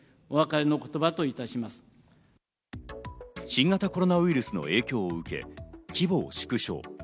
新型コロナウイルスの影響を受け、規模を縮小。